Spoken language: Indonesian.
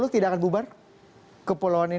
dua ribu tiga puluh tidak akan bubar kepulauan ini